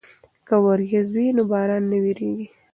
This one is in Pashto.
که وریځ وي نو باران نه وریږي.